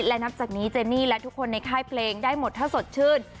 และนับจากนี้เจนี่และทุกคนในค่ายเพลงได้หมดถ้าสดชื่น